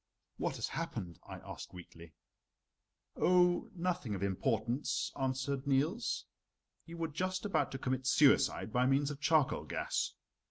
"What has happened?" I asked weakly. "Oh, nothing of importance," answered Niels. "You were just about to commit suicide by means of charcoal gas.